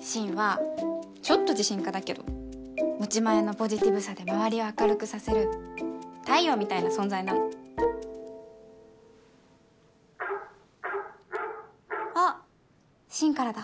深はちょっと自信家だけど持ち前のポジティブさで周りを明るくさせる太陽みたいな存在なの・あっ深からだ